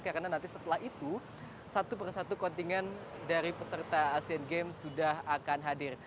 karena nanti setelah itu satu persatu kontingen dari peserta asean games sudah akan hadir